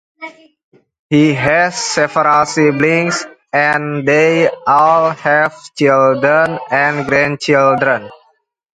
He has several siblings, and they all have children and grandchildren.